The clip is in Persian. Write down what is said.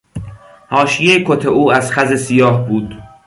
حاشیهی کت او از خز سیاه بود.